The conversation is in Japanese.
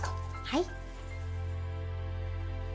はい。